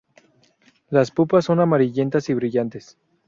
Las pupas son amarillentas y brillantes.